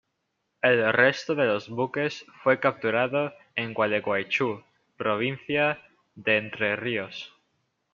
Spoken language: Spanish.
El resto de los buques fue capturado en Gualeguaychú, Provincia de Entre Ríos.